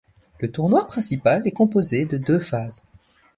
Le tournoi principal est composé de deux phases.